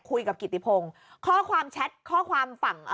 คุยกับกิตติพงฯข้อความแชทข้อความฝั่ง